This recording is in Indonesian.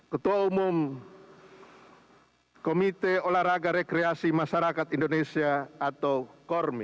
ketua umum komite olahraga rekreasi masyarakat indonesia atau kormi